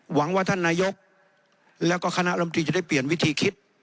หวังว่าท่านนายกแล้วก็คณะรำตีจะได้เปลี่ยนวิธีคิด